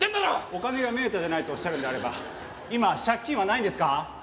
お金が目当てじゃないとおっしゃるんであれば今借金はないんですか？